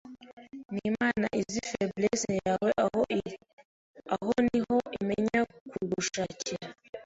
ni Imana izi faiblesse yawe aho iri, aho niho imenya kugushakira